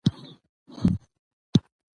شنیز یوه دره ده